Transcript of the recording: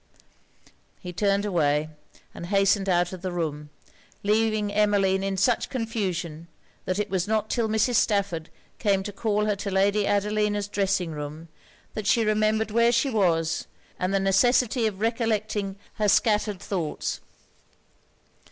He turned away, and hastened out of the room; leaving Emmeline in such confusion that it was not 'till Mrs. Stafford came to call her to Lady Adelina's dressing room, that she remembered where she was, and the necessity of recollecting her scattered thoughts.